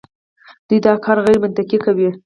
دوی دا کار غیرمنطقي کوي.